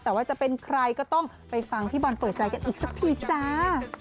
แต่ว่าจะเป็นใครก็ต้องไปฟังพี่บอลเปิดใจกันอีกสักทีจ้า